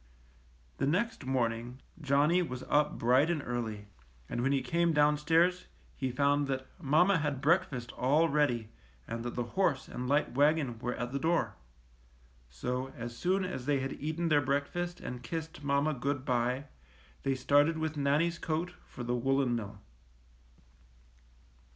The next morning Johnny was up bright and early, and when he came downstairs he found that mamma had breakfast all ready and that the horse and light wagon were at the door. So, as soon as they had eaten their breakfast and kissed mamma good by, they started with Nannie's coat for the woolen mill.